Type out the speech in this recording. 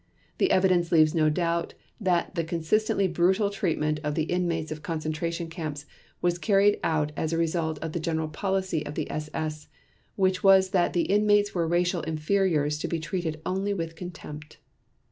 The evidence leaves no doubt that the consistently brutal treatment of the inmates of concentration camps was carried out as a result of the general policy of the SS, which was that the inmates were racial inferiors to be treated only with contempt.